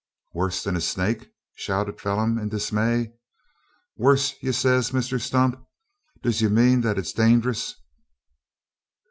"Worse than a snake?" shouted Phelim in dismay. "Worse, yez say, Misther Stump? Div yez mane that it's dangerous?"